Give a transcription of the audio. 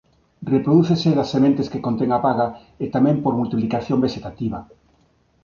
Reprodúcese das sementes que contén a baga e tamén por multiplicación vexetativa.